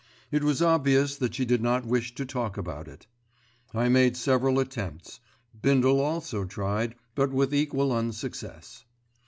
It was obvious that she did not wish to talk about it. I made several attempts, Bindle also tried; but with equal unsuccess.